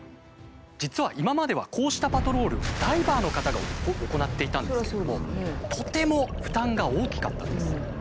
実は今まではこうしたパトロールをダイバーの方が行っていたんですけれどもとても負担が大きかったんです。